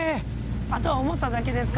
あとは重さだけですか？